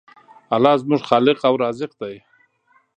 الله زموږ خالق او رازق دی.